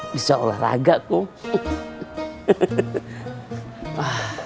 bisa olahraga kum